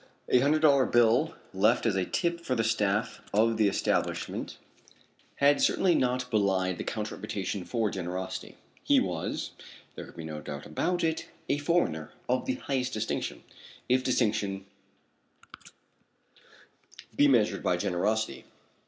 A hundred dollar bill left as a tip for the staff of the establishment had certainly not belied the Count's reputation for generosity. He was there could be no doubt about it a foreigner of the highest distinction, if distinction be measured by generosity.